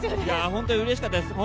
本当にうれしかったです